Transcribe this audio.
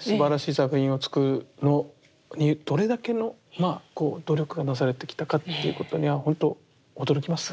すばらしい作品を作るのにどれだけの努力がなされてきたかっていうことにはほんと驚きますね。